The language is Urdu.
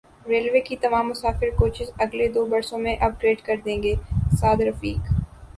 ریلوے کی تمام مسافر کوچز اگلے دو برسوں میں اپ گریڈ کر دیں گے سعد رفیق